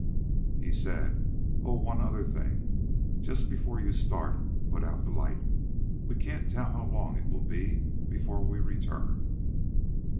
He said, "Oh, one other thing. Just before you start, put out the light. We can't tell how long it will be before we return."